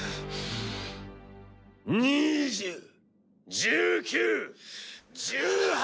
２０１９１８。